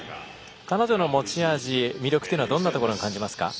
彼女の持ち味、魅力というのはどんなところに感じますか？